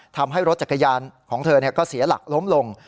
ทำให้รถจักรยานของเธอก็เสียหลักล้มลง